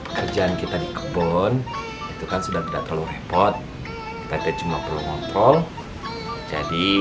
kerjaan kita di kebon itu kan sudah tidak terlalu repot kita cuma perlu ngobrol jadi